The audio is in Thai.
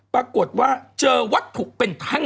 ปรากฏว่าเจอวัตถุเป็นแท่ง